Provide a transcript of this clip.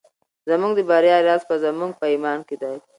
زموږ د بریا راز په زموږ په ایمان کې دی.